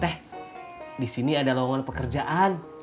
teh disini ada lawangan pekerjaan